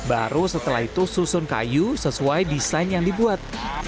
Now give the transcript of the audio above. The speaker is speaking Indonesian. baru setelah itu susun kayu sesuai desain yang dibuat